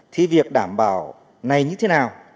thì việc đảm bảo này như thế nào